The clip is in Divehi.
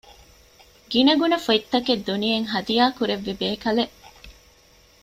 ގިނަގުނަ ފޮތްތަކެއް ދުނިޔެއަށް ހަދިޔާކުރެއްވި ބޭކަލެއް